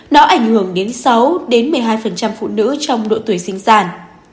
nó ảnh hưởng đến sáu một mươi hai phụ nữ trong độ tuổi sinh sản